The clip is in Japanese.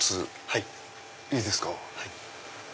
はい。